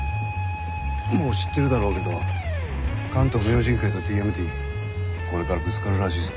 もう知ってるだろうけど「関東明神会」と「ＴＭＴ」これからぶつかるらしいぞ。